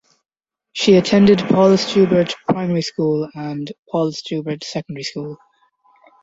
She attended Paulus Joubert Primary School and Paulus Joubert Secondary School.